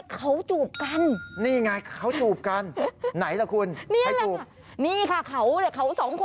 เขาจูบกันค่ะเขาจูบกันกัน